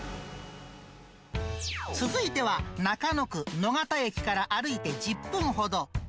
続いては、中野区野方駅から歩いて１０分ほど。